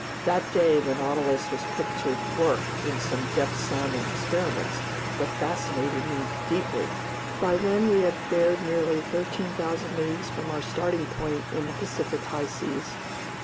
That day the Nautilus was put to work in some depth sounding experiments that fascinated me deeply. By then we had fared nearly 13,000 leagues from our starting point in the Pacific high seas.